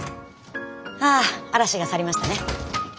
はあ嵐が去りましたね。